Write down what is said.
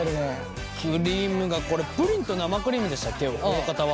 クリームがこれプリンと生クリームでしたっけおおかたは？